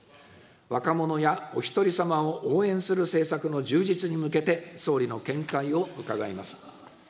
若者やおひとりさまを応援する政策の充実に向けて総理の見解を伺います。